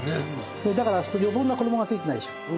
だから余分な衣がついてないでしょ。